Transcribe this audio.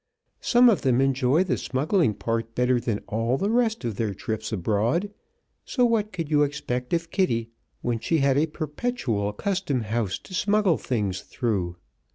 Some of them enjoy the smuggling part better than all the rest of their trips abroad, so what could you expect of Kitty when she had a perpetual custom house to smuggle things through?